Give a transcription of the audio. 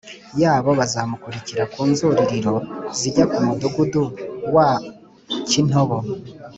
yabo bazamukira ku nzuririro zijya ku mudugudu wa kintobo